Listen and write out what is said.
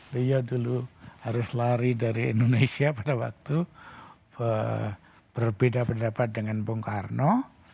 beliau dulu harus lari dari indonesia pada waktu berbeda pendapat dengan bung karno